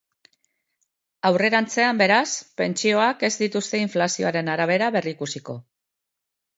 Aurrerantzean, beraz, pentsioak ez dituzte inflazioaren arabera berrikusiko.